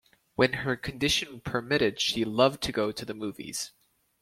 When her condition permitted she loved to go to the movies.